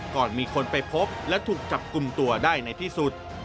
ก่อนมีคนไปพบและถูกจับกลุ่มตัวได้ในที่สุด